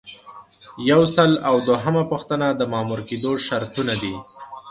یو سل او دوهمه پوښتنه د مامور کیدو شرطونه دي.